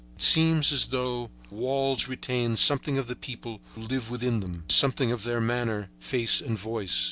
It seems as though walls retain something of the people who live within them, something of their manner, face and voice.